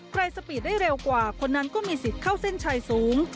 สปีดได้เร็วกว่าคนนั้นก็มีสิทธิ์เข้าเส้นชัยสูง